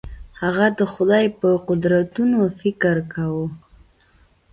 هغه د خدای په قدرتونو فکر کاوه.